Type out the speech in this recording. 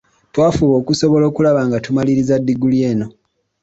Twafuba okusobola okulaba nga tumaliriza ddiguli eno.